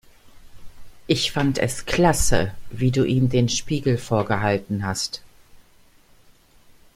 Ich fand es klasse, wie du ihm den Spiegel vorgehalten hast.